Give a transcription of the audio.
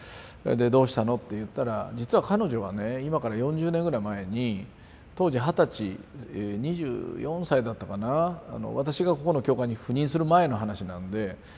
「どうしたの？」って言ったら実は彼女はね今から４０年ぐらい前に当時二十歳２４歳だったかな私がここの教会に赴任する前の話なんで。